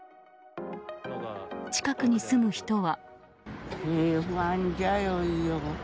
近くに住む人は。